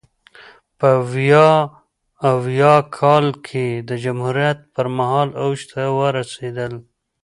په ویا اویا کال کې د جمهوریت پرمهال اوج ته ورسېدل.